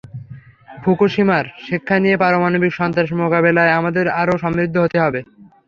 ফুকুশিমার শিক্ষা নিয়ে পারমাণবিক সন্ত্রাস মোকাবিলায় আমাদের আরও সমৃদ্ধ হতে হবে।